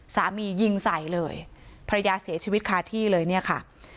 สามียิงใส่เลยภรรยาเสียชีวิตคาที่เลยเนี่ยค่ะ